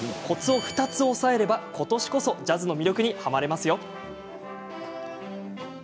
コツを２つ押さえればことしこそジャズの魅力に、はまれますよ。